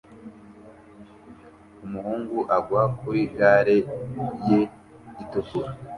umuhungu agwa kuri gare ye itukura